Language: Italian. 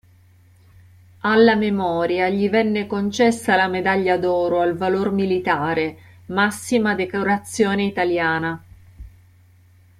Alla memoria gli venne concessa la Medaglia d'oro al valor militare, massima decorazione italiana.